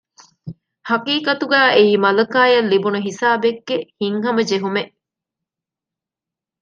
ޙަޤީޤަތުގައި އެއީ މަލަކާއަށް ލިބުނު ހިސާބެއްގެ ހިތްހަމަޖެހުމެއް